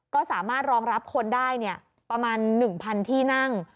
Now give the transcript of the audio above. ก็สามารถรองรับคนได้ประมาณ๑๐๐ที่นั่ง